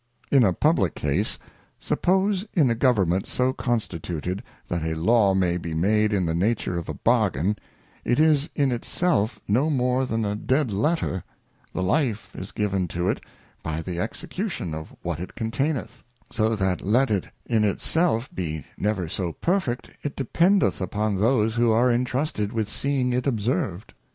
In a publick Case, Suppose in a Government so constituted that a Law may be made in the nature of a Bargain, it is in it self no more than a dead letter, the life is given to it by the execution ii8 The Anatomy of an Equivalent. execution of what it containeth; so that let it in it self be never so perfect, it dependeth upon those who are intrusted with seeing it observed.